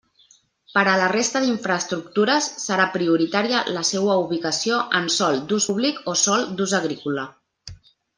Per a la resta d'infraestructures, serà prioritària la seua ubicació en sòl d'ús públic o sòl d'ús agrícola.